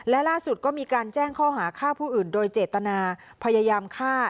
และล่าสุดก็มีการแจ้งข้อหาฆ่าผู้อื่นโดยเจตนาพยายามฆ่า